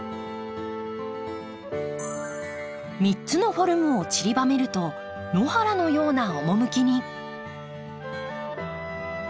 ３つのフォルムをちりばめると野原のような趣に。